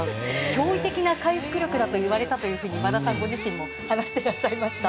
驚異的な回復力だと言われたと和田さんご自身も話してらっしゃいました。